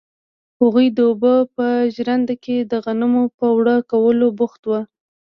هغوی د اوبو په ژرنده کې د غنمو په اوړه کولو بوخت وو.